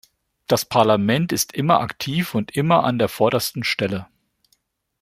Das Parlament ist immer aktiv und immer an der vordersten Stelle.